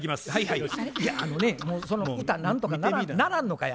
いやあのねもうその歌何とかならんのかい。